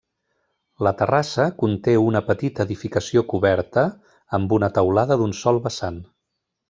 La terrassa conté una petita edificació coberta amb una teulada d'un sol vessant.